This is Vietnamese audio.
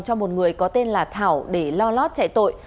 cho một người có tên là thảo để lo lót chạy tội